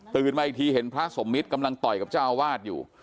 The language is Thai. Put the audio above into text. มาอีกทีเห็นพระสมมิตรกำลังต่อยกับเจ้าอาวาสอยู่